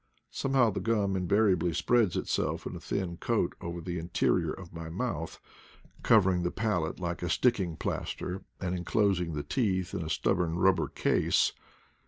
Somehow the gam invariably spreads itself in a thin coat over the interior of my mouth, covering the palate like a sticking plaster and enclosing the teeth in a stub born rubber case.